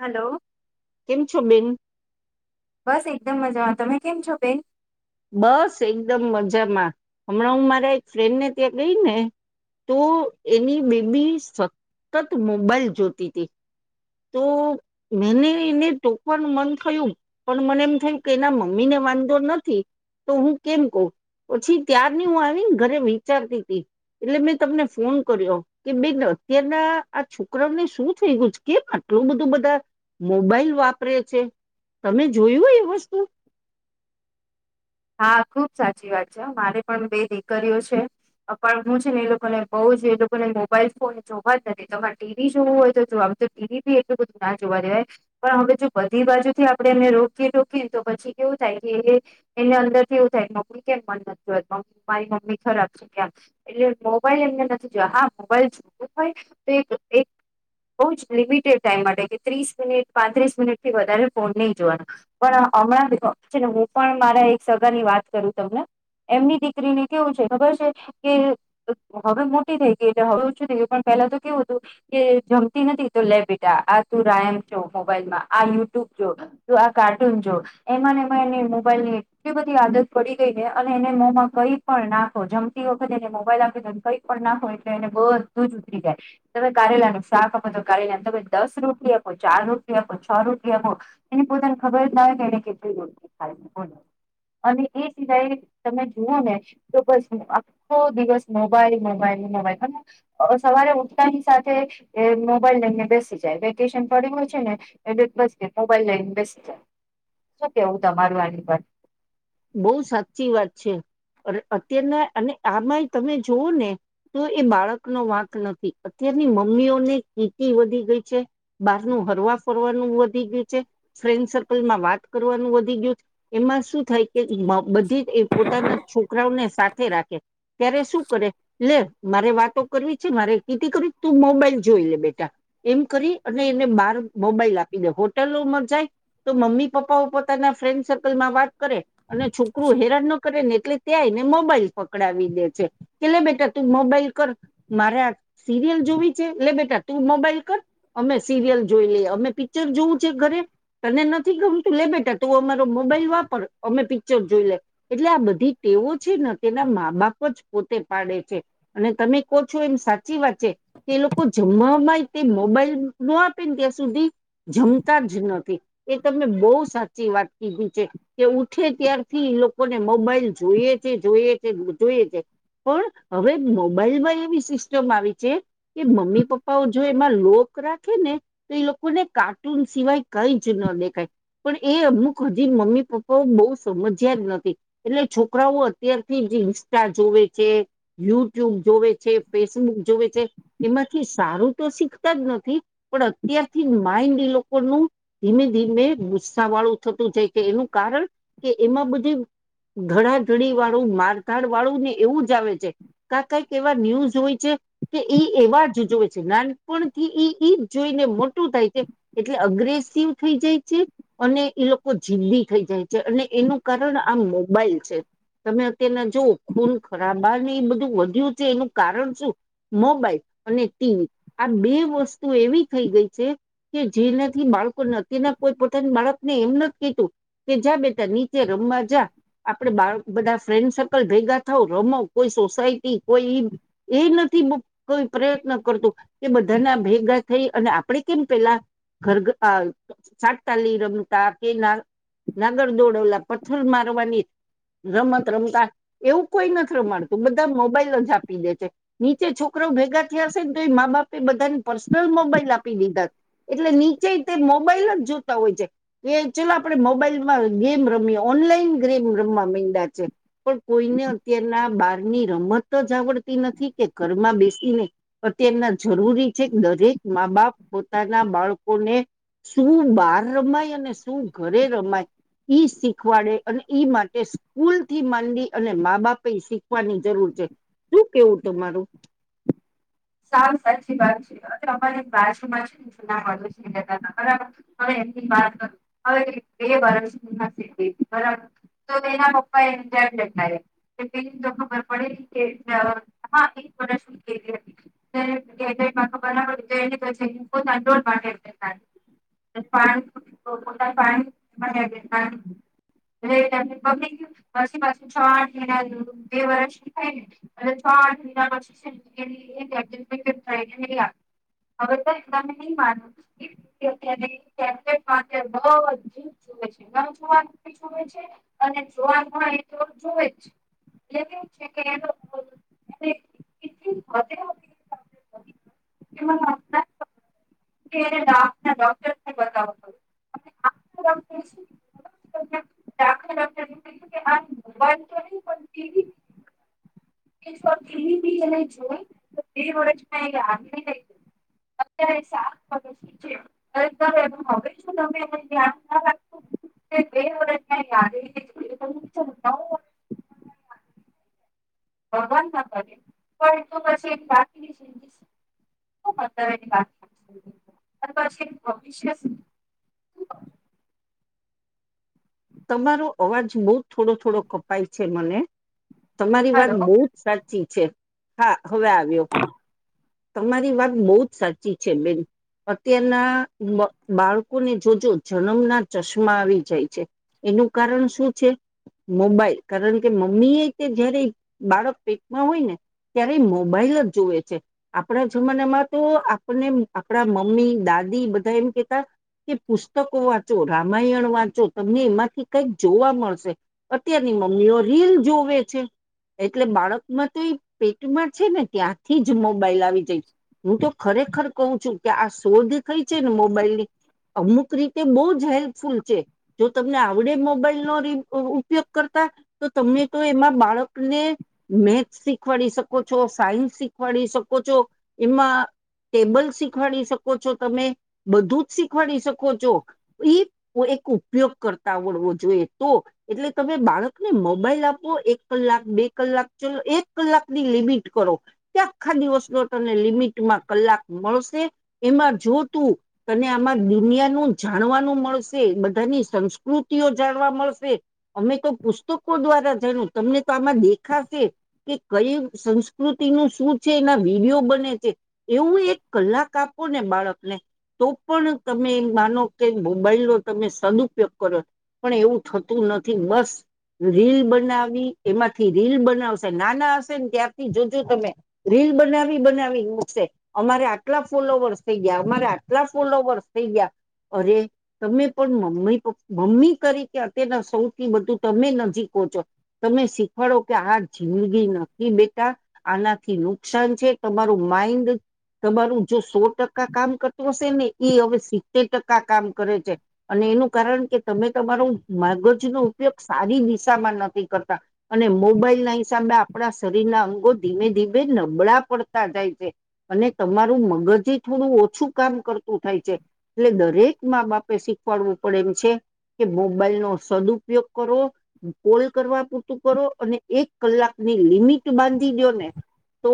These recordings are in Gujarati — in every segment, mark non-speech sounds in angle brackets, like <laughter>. હાલો. કેમ છો બેન? બસ એકદમ મજામાં. તમે કેમ છો બેન? બસ એકદમ મજામાં. હમણાં હું મારા એક ફ્રેન ને ત્યાં ગઈ ને. તો એની બેબી સતત મોબાઈલ જોતી તી. તો મેને એને ટોકવાનું મન થયું. પણ મને એમ થયું કે એના મમ્મી ને વાંધો નથી, તો હું કેમ કઉ. પછી ત્યારની હું આવી ને ઘરે વિચારતી તી એટલે મેં તમને ફોન કર્યો. કે બેન, અત્યારના આ છોકરાઓને શું થઈ ગું છે? કેમ આટલું બધું બધા. મોબાઈલ વાપરે છે. તમે જોયું એ વસ્તુ? હા ખુબ સાચી વાત છે, હ મારે પણ બે દીકરીઓ છે. પણ હું છે ને એ લોકોને બઉ જ એ લોકોને મોબાઈલ ફોન જોવા જ નથી, તમારે ટીવી જોવું હોય તો જુઓ. એવી બી એલું બધું ના જોવા દેવાય. પણ હવે જો બધી બાજુ થી આપડણે એમને રોકીએ ટોકીએ તો પછી કેવું થાય કે એ એને અંદર થી એવું થાય મમ્મી કેમ મન નથ જોવા તી, મારી મમ્મી ખરાબ છે કે આમ. એલે મોબાઈલ એમને નથી જોવા, હા મોબાઈલ જોવું હોય તો એક એ બઉ જ લિમિટેડ ટાઈમ માટે કે ત્રીસ મિનિટ, પાંત્રીસ મિનિટથી વધારે ફોન નઈ જોવાનો. પણ અમણાં બ છે ને, હું પણ મારા એક સગા ની વાત કરું તમને. એમની દીકરીને કેવું છે ખબર શે કે હવે મોટી થઈ ગઈ એલે હવે ઓછું થઈ ગયું, પણ પહેલા તો કેવું તું. કે જમતી નથી તો લે બેટા આ તું રાયમ છો મોબાઈલમાં, આ યુટ્યુબ જો. તું આ કાર્ટૂન જો એમાંનેમાં એની મોબાઈલ ની એટલી બધી આદત પડી ગઈ ને અને એને મોમાં કઈ પણ નાખો જમતી વખત એને મોબાઈલ આપીદોને કઈ પણ નાખો એટલે એને બધું જ ઉતરી જાય. તમે કારેલાનું શાક આપો કાઢીને તમે દસ રોટલી આપો ચાર રોટલી આપો છ રોટલી આપો. એને પોતાને ખબર જ ના હોય કે એને કેટલી રોટલી ખાધી બોલ. અને એ સિવાય તમે જુઓ ને. તો બસ આખો દિવસ મોબાઈલ મોબાઈલ મોબાઈલ, અને સવારે ઉઠતાની સાથે, એ મોબાઈલ લઈને બેસી જાય વેકેશન પડીયુ હોય છે ને. એને બસ કે મોબાઈલ લઇન બેસી જાઈ શું કેવું તમારું આની પર. બહુ સાચી વાત છે, અન અત્યારના અને આમાં તમે જુઓ ને. તો એ બાળક નો વાંક નથી અત્યારની મમ્મીઓને કીકી વધી ગઈ છે. બહારનું હરવા ફરવાનું વધી ગ્યું છે. ફ્રેન્ડ સર્કલમાં વાત કરવાનું વધી ગ્યું છ એમાં શું થાય. કે બધી જ પોતાના છોકરાઓને સાથે રાખે, ત્યારે શું કરે. લે મારે વાતો કરવી છે મારે કીટી કરવી તું મોબાઈલ જોઈ લે બેટા. એમ કરી અને એને બહાર મોબાઈલ આપી દે હોટેલોમાં જાય. તો મમ્મી પપ્પાઓ પોતાના ફ્રેન્ડ સર્કલ માં વાત કરે. અને છોકરું હેરાન ન કરે ને એટલે ત્યાં એને મોબાઈલ પકડાવી દે છે. કે લે બેટા તું મોબાઈલ કર, મારે આ સિરિયલ જોવી છે લે બેટા તું મોબાઈલ કર. અમે સિરિયલ જોઈ લીએ અમે પિક્ચર જોવું છે ઘરે. તને નથી ગમતું લે બેટા તું અમારો મોબાઈલ વાપર અમે પિક્ચર જોઈ લે. એટલે આ બધી ટેઓ છે ને તેના મા બાપ જ પોતે પાડે છે. અને તમે કો છો એમ સાચી વાત છે. એ લોકો જમવામાં તે મોબાઈલ ન આપે ને ત્યાં સુધી જમતા જ નથી, એ તમે બહુ સાચી વાત કીધી છે. કે ઉઠે ત્યારથી ઈ લોકોને મોબાઈલ જોઈએ છે જોઈએ છે જોઈએ છે. પણ હવે મોબાઈલમાં એવી સિસ્ટમ આવી છે. કે મમ્મી પપ્પાઓ જો એમાં લોક રાખે ને. તો એ લોકોને કાર્ટૂન સિવાય કઈ જ ન દેખાય, પણ એ અમુક હજી મમ્મી પપ્પ પાઓ બહુ સમજ્યા જ નથી, એટલે છોકરાઓ અત્યારથી જ ઇન્સ્ટા જોવે છે. યુટ્યુબ જોવે છે ફેસબુક જોવે છે. એમાંથી સારું તો શીખતા જ નથી, પણ અત્યારથી માઈન્ડ એ લોકોનું ધીમે ધીમે ગુસ્સા વાળું થતું જાય કે એનું કારણ, કે એમાં બધું ધડાધડી વાળું મારધાડ વાળું ને એવું જ આવે છે. કા કઈક એવા ન્યૂઝ જોવે છે. કે ઈ એવા જ જોવે છે નાનપણથી ઈ ઈ જ જોઈને મોટું થાય છે. એટલે અગ્રેસિવ થઈ જાય છે, અને એ લોકો જિંદી થઈ જાય છે અને એનું કારણ આ મોબાઈલ છે. તમે અત્યારના જો ખૂન ખરાબા ને એ બધું વધ્યું છે એનું કારણ શું? મોબાઈલ અને ટીવી, આ બે વસ્તુ એવી થઈ ગઈ છે. કે જેનાથી બાળકો નથીના કોઈ પોતાની બાળકને એમ નથ કેતું. કે જા બેટા નીચે રમવા જા. આપડે બાળ બધા ફ્રેન્ડ સર્કલ ભેગા થઉ રમો કોઈ સોસાય કોઈ ઈ એ નથી કોઈ પ્રયત્ન કરતું, કે બધાના ભેગા થઈ અને આપણે કેમ પેલા ઘર ઘર આ સાટતાલી રમતા કે ના નાગર દોડવલા પથ્થર મારવાની રમત રમતા. એવું કોઈ નથી રમાડતું બધા મોબાઈલ જ આપી દે છે. નીચે છોકરો ભેગા થયા હશે ને તો એ મા બાપે બધાને પર્સનલ મોબાઈલ આપી દીધા. એટલે નીચે તે મોબાઈલ જ જોતા હોય છે, કે ચલો આપડે મોબાઈલ માં ગેમ રમી ઓનલાઈન ગેમ રમવા મયનડા છે. પણ કોઈને અત્યારના બારની રમત જ આવડતી નથી કે ઘરમાં બેસીને અત્યારના જરૂરી છે કે દરેક મા બાપ પોતાના બાળકોને શું બાર રમાય અને શું ઘરે રમાય. ઈ શીખવાડે અને ઈ માટે સ્કૂલ થી માંડી અને મા બાપ એ શીખવાની જરૂર છે શું કેવું તમારું. સાવ સાચી વાત છે અમારી બાજુમાં છે. <unintelligible> બરાબર હ એમની હવે બે વર્ષ બરાબર તો એના પપ્પા <unintelligible> પેલી તો ખબર પડે કે હા એક વર્ષની <unintelligible> <unintelligible> <unintelligible> <unintelligible> પાછુ પાસે છ આઠ મહિના બે વર્ષ થાય ને અને છ આઠ મહીના પછી છે ને <unintelligible> હવે છે તમે નહીં માનો <unintelligible> માટે નુ જુએ છે <unintelligible> <unintelligible> છે અને જોવા પણ એ જોવે જ. <inaudible> <unintelligible> આપના ડોક્ટર બતાવ <unintelligible> અત્યારે <unintelligible> તમે એને ધ્યાન ના રાખ <inaudible> ભગવાન ના કરે પણ તો પછી એક બાકીની જીંદગી શું. <unintelligible> અને પછી ભવિષ્ય શું. તમારો અવાજ બહું થોડો થોડો કપાય છે મને તમારી વાત બહું સાચી છે હા હવે આવ્યો. તમારી વાત બહું જ સાચી છે બેન. અત્યારના બાળકોને જોજો જન્મના ચશ્મા આવી જાય છે. એનું કારણ શું છે. મોબાઈલ કારણ કે મમ્મી એ તે જયારે બાળક પેટમાં હોય ને ત્યારે મોબાઈલ જ જુવે છે. આપણા જમાનામાં તો આપણને આપણા મમ્મી દાદી બધા એમ કેતા કે પુસ્તકો વાંચો રામાયણ વાંચો તમને એમાંથી કઈક જોવા મળશે. અત્યારની મમ્મીઓ રીલ જોવે છે. એટલે બાળક માં તો એ પેટમાં છે ને ત્યાંથી જ મોબાઈલ આવી જઈ હું તો ખરેખર કઉ છું કે આ શોધ થઈ છે ને મોબાઈલની અમુક રીતે બહું જ હેલ્પફુલ છે. જો તમને આવડે મોબાઈલ નો ઉપયોગ કરતા તો તમને તો એમાં બાળકને મેથ્સ શીખવાડી શકો છો સાયન્સ શીખવાડી શકો છો એમાં ટેબલ શીખાડી શકો છો તમે બધું જ શીખવાડી શકો છો. ઈ એક ઉપયોગ કરતા આવડવો જોઈએ તો એટલે તમે બાળકને મોબાઈલ આપો એક કલાક બે કલાક ચલો એક કલાકની લિમિટ કરો તે આખા દિવસનો તને લિમિટમાં કલાક મળશે એમાં જો તું તને આમાં દુનિયાનું જાણવાનું મળશે બધાની સંસ્કૃતિઓ જાણવા મળશે. અમે તો પુસ્તકો દ્વારા જણું તમને તો આમાં દેખાશે કે કઈ સંસ્કૃતિ નું શું છે એના વિડીયો બને છે એવું એક કલાક આપો ને બાળકને તો પણ તમે એમ માનો કે મોબાઈલનો તમે સદઉપયોગ કરો. પણ એવું થતું નથી મસ રીલ બનાવી એમાંથી રીલ બનાવશે નાના હશે ને ત્યારથી જોજો તમે. રીલ બનાવી બનાવી મુકશે અમારે આટલા ફૂલો વરસ થઈ ગયા અમારે આટલા ફૂલો વરસ થઈ ગયા અરે તમે પણ મમ્મી મમ્મી તકે અત્યારના સૌથી બધું તમે નજીકો છો તમે શીખવાડો કે આ જિંદગી નથી બેટા આનાથી ન નુકસાન છે તમારું માઇન્ડ તમારું જો સો ટકા કામ કરતું હશે ને એ હવે સિત્તેર ટકા કામ કરે છે અને એનું કારણ કે તમે તમારું મગજનો ઉપયોગ સારી દિશામાં નથી કરતા અને મોબાઈલ ના હિસાબે આપણા શરીરના અંગો ધીમે ધીમે નબળા પડતા જાય છે અને તમારું મગજ થોડું ઓછું કામ કરતું થાય છે એટલે દરેક મા બાપે શીખવાડવું પડે એમ છે કે મોબાઈલ નો સદુપયોગ કરો કોલ કરવા પૂરતું કરો અને એક કલાકની લિમિટ બાંધી દિયો ને તો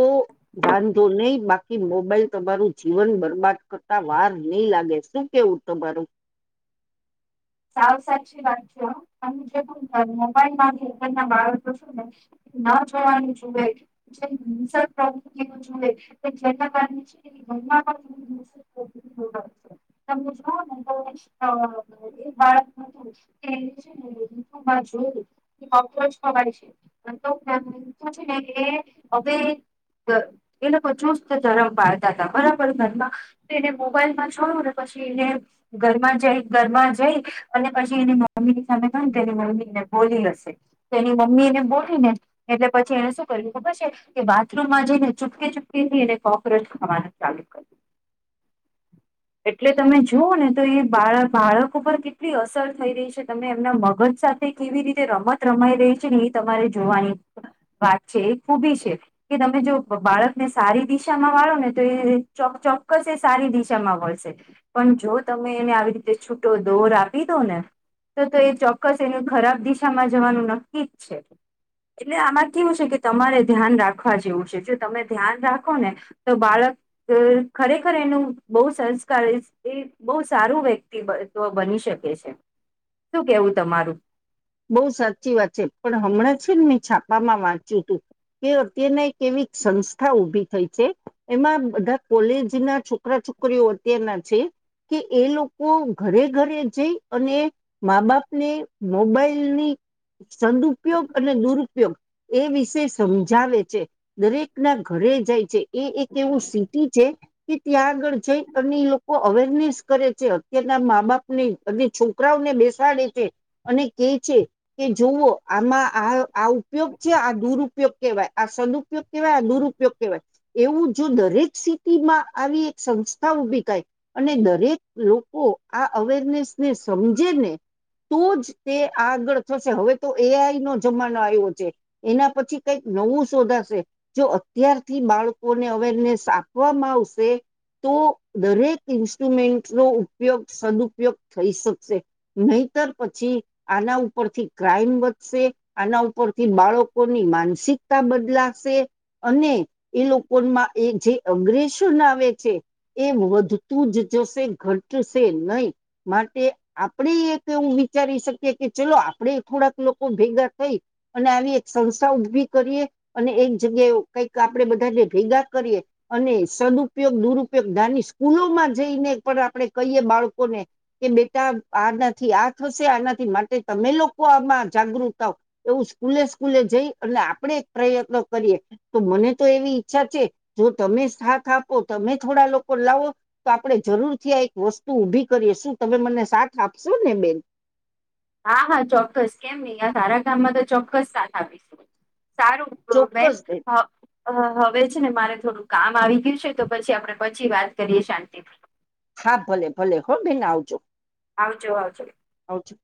વાંધો નહી બાકી મોબાઈલ તમારું જીવન બરબાદ કરતા વાર નઈ લાગે છે કેવુ <unintelligible> તમારુ સાવ સાચી વાત છે જે મોબાઈલ એના બાળક છું ને ના જોવાનું જોએ જે પ્રતિ જોએ જેના કારણે <unintelligible> <unintelligible> તો શું છેને કે હવે એ લોકો ચોસ્ ધરમ પાડતા હતા બરાબર ઘરમાં એને મોબાઈલમાં છોડું ને પછી એને ઘરમાં જઈ ઘરમાં જઈ અને પછી એની મમ્મી ની સામે પણ તેની મમ્મી ને બોલી હશે તેની મમ્મીને બોલી ને એટલે પછી એને શું કર્યું ખબર છે કે બાથરૂમમાં જઈને ચૂપકી ચુપકી થઈને કોકરોચ ખાવાનું ચાલુ કર્યું એટલે તમે જુઓ ને તો એ બાળ બાળક ઉપર કેટલી અસર થઈ રહી છે તમે એમના મગજ સાથે કેવી રીતે રમત રમાઈ રહી છે ને એ તમારે જોવાની વાત છે એ ખૂબી છે કે તમે જો બાળકને સારી દિશામાં વાળો ને તો એ ચોક્કસ એ સારી દિશામાં પણ જો તમે એને આવી રીતે છૂટો દોર આપી દો ને તો તો એ ચોક્કસ એનું ખરાબ દિશામાં જવાનું નક્કી જ છે એટલે આમાં કેવું છે કે તમારે ધ્યાન રાખવા જેવું છે જો તમે ધ્યાન રાખો ને તો બાળક ખરેખર એનું બહ સંસ્કાર એ બહુ સારું વ્યક્તિ બની શકે છે શું કેવું તમારું બહુ સાચી વાત છે પણ હમણાં છે ને મેં છાપામાં વાંચ્યું હતું કે અત્યના એક એવી સંસ્થા ઉભી થઈ છે એમાં બધા કોલેજ ના છોકરા છોકરીઓ અત્યારના છે કે એ લોકો ઘરે ઘરે જઈ અને મા બાપ ને મોબાઈલ ની સદુપયોગ અને દુરુપયોગ એ વિષ સમજાવે છે દરેક ના ઘરે જય જાય ને એ એક એવું સિટી છે કે ત્યાં આગળ જઈ અને એ લોકો અવેરનેસ કરે છે અત્યારના મા બાપ ને બધી છોકરાઓને બેસાડે છે અને કે છે કે જોવો આમાં આ આ ઉપયોગ છે આ દુરુપયોગ કેવાય આ સુ ઉપયોગ કેવાય દુરુપયોગ કેવાય એવું જો દરેક સિટીમાં આવી એક સંસ્થા ઊભી થાય અને દરેક લોકો આ અવેરનેસને સમજે ને તો જ તે આગળ થશે હવે તો એઆઈ નો જમાનો આવ્યો છે એના પછી કઈક નવું શોધાશે. જો અત્યારથી બાળકોને અવેરનેસ આપવામાં આવશે તો દરેક ઇન્સ્ટ્રુમેન્ટ નો ઉપયોગ સદુપયોગ થઈ શકશે. નહીતર પછી આના ઉપરથી ક્રાઈમ વધશે. આના ઉપરથી બાળકોની માનસિકતા બદલાશે. અને એ લોકોમાં એ જે અગ્રેસન આવે છે. એ વધતું જ જશે ઘટશે નહી. માટે આપણેે એક એવું વિચારી શકીએ. કે ચલો આપડે થોડાક લોકો ભેગા થઈ. અને આવી એક સંસ્થા ઉભી કરીએ અને એક જગ્યાએ કઈક આપડે બધાને ભેગા કરીએ. અને સદપયોગ દુરુપયોગ ધની સ્કૂલો માં જઈને પણ આપણે કહીએ બાળકોને કે બેટા આ નથી આ થશે આનાથી માટે તમે લોકો આમાં જાગૃત થાવ એવું સ્કૂલે સ્કૂલે જઈ એટલે આપણેે એક પ્રયત્ન કરીએ. તો મને તો એવી ઈચ્છા છે જો તમે સાથ આપો તમે થોડા લોકો લાવો તો આપણે જરૂર થી આ એક વસ્તુ ઊભી કરીએ શું તમે મને સાથ આપશો ને બેન? હા હા ચોક્કસ કેમ નહિ આ સારા કામમાં તો ચોક્કસ સાથ આપીશું સારું ચોક્કસ ગર્વમેન્ટ બેન હા અ હવે છે ને મારે થોડું કામ આવી ગયું છે તો પછી આપડે પછી વાત કરીએ શાંતિ હા ભલે ભલે હો બેન આવજો. આવજો આવજો. આવજો.